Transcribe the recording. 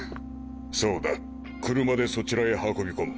そうだ車でそちらへ運び込む。